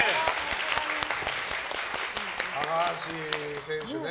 高橋選手ね。